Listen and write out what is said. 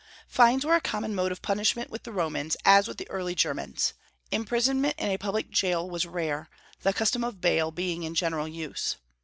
Fines were a common mode of punishment with the Romans, as with the early Germans. Imprisonment in a public jail was rare, the custom of bail being in general use.